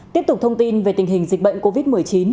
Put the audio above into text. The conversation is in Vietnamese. tiếp tục thông tin về tình hình dịch bệnh covid một mươi chín